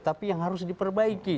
tapi yang harus diperbaiki